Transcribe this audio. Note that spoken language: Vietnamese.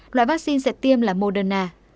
loại vaccine sẽ tiêm là moderna